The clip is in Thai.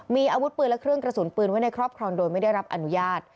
มีอาวุธปืนและเครื่องกระสุนปืนไว้ในครอบครองโดยไม่ได้รับอนุญาต